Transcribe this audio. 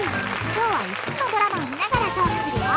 今日は５つのドラマを見ながらトークするよ。